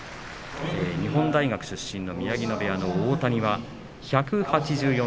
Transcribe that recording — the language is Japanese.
日本大学出身の宮城野部屋の大谷は１８４ｃｍの１８８ｋｇ